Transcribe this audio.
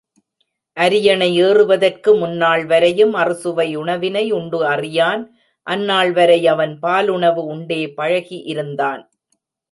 அரியணை ஏறுவதற்கு முன்னாள்வரையும் அறுசுவை உணவினை உண்டு அறியான் அந்நாள் வரை அவன் பாலுணவு உண்டே பழகி இருந்தான்.